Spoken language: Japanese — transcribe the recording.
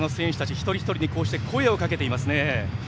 一人ひとりに声をかけていますね。